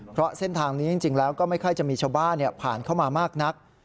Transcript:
เพราะเส้นทางนี้จริงแล้วก็ไม่ค่อยจะมีชาวบ้านผ่านเข้ามามากนัก